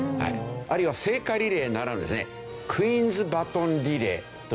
あるいは聖火リレーならぬですねクイーンズ・バトン・リレーという。